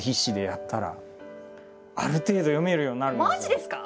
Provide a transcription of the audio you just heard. でもマジですか？